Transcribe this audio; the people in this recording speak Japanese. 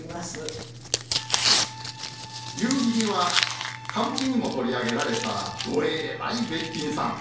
夕霧は歌舞伎にも取り上げられたどえらいべっぴんさん。